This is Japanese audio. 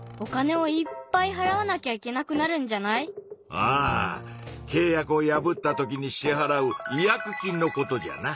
ああけい約を破ったときに支はらう「違約金」のことじゃな。